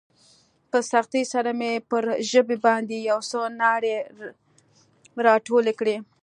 په سختۍ سره مې پر ژبې باندې يو څه ناړې راټولې کړې.